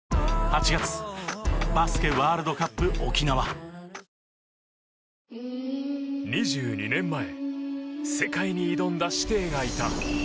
新しくなった２２年前世界に挑んだ師弟がいた。